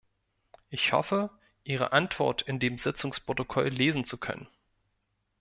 Ich hoffe, Ihre Antwort in dem Sitzungsprotokoll lesen zu können.